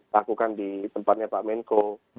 lakukan di tempatnya pak menko